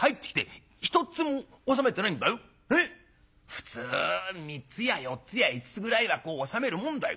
普通３つや４つや５つぐらいはこう納めるもんだよ。